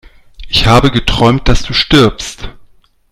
Ich habe geträumt, dass du stirbst